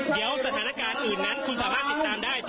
เดี๋ยวสถานการณ์อื่นนั้นคุณสามารถติดตามได้